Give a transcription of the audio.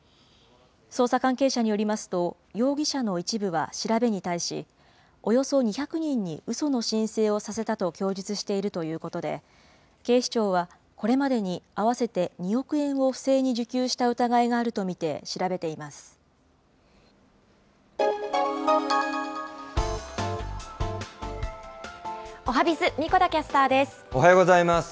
捜査関係者によりますと、容疑者の一部は調べに対し、およそ２００人にうその申請をさせたと供述しているということで、警視庁はこれまでに、合わせて２億円を不正に受給した疑いがあると見て調べています。